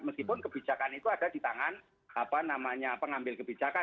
meskipun kebijakan itu ada di tangan pengambil kebijakan